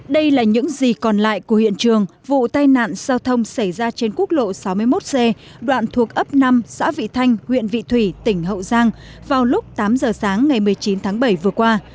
đây là những gì còn lại của hiện trường vụ tai nạn giao thông xảy ra trên quốc lộ sáu mươi một c đoạn thuộc ấp năm xã vị thanh huyện vị thủy tỉnh hậu giang vào lúc tám giờ sáng ngày một mươi chín tháng bảy vừa qua